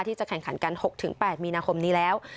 ที่จะแข่งขันกัน๖๘มีนาคมนี้แล้ว